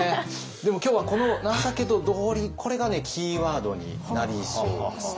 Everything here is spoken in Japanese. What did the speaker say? でも今日はこのこれがキーワードになりそうです。